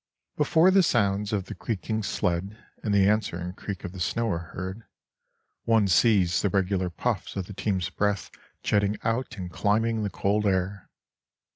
Before the sounds of the creaking sled and the answering creak of the snow are heard, one sees the regular puffs of the team's breath jetting out and climbing the cold air.